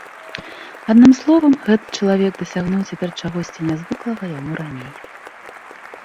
Адным словам, гэты чалавек дасягнуў цяпер чагосьці нязвыклага яму раней.